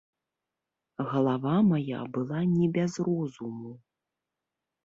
Галава мая была не без розуму.